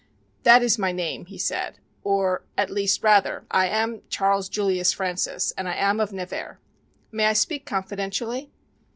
"That is my name," he said, "or at least rather, I am Charles Julius Francis, and I am of Nevers. May I speak confidentially?